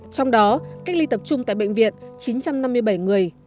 trong đó cách ly tập trung tại bệnh viện chín trăm năm mươi bảy người